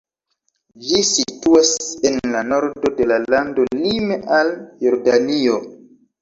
Ĝi situas en la nordo de la lando lime al Jordanio.